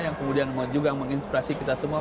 yang kemudian juga menginspirasi kita semua